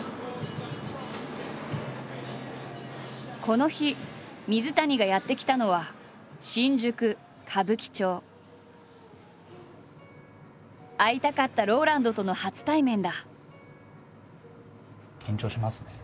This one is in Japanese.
この日水谷がやって来たのは会いたかったＲＯＬＡＮＤとの初対面だ。